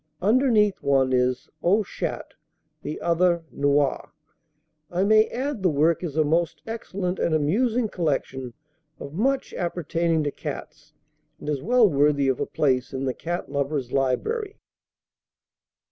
Underneath one is "Au Chat," the other, "Noir." I may add the work is a most excellent and amusing collection of much appertaining to cats, and is well worthy of a place in the cat lover's library.